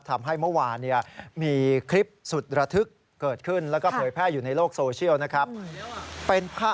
ทำให้เมื่อวานมีคลิปสุดระทึกเกิดขึ้นแล้วก็เผยแพร่อยู่ในโลกโซเชียลนะครับ